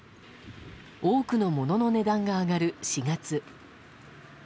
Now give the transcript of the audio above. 多くのものの値段が上がる４月。